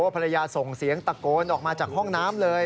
ภรรยาส่งเสียงตะโกนออกมาจากห้องน้ำเลย